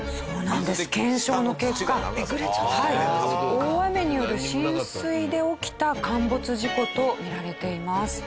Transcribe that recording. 大雨による浸水で起きた陥没事故とみられています。